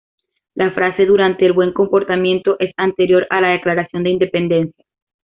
La frase "durante el buen comportamiento" es anterior a la Declaración de Independencia.